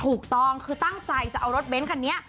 ถูกต้องคือตั้งใจจะเอารถเบ้นคันนี้